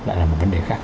đó là một vấn đề khác